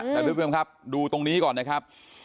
แต่ทุกผู้ชมครับดูตรงนี้ก่อนนะครับ